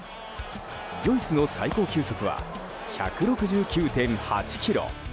ジョイスの最高球速は１６９．８キロ。